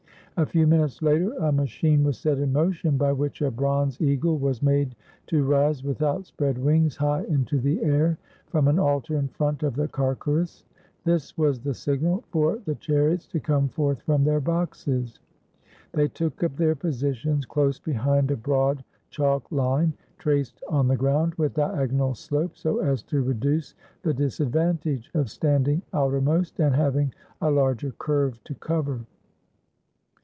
A few minutes later a ma chine was set in motion by which a bronze eagle was made to rise with outspread wings high into the air, from an altar in front of the carceres; this was the signal for the chariots to come forth from their boxes. They took up their positions close behind a broad chalk line, traced on the ground with diagonal slope, so as to re duce the disadvantage of standing outermost and hav ing a larger curve to cover.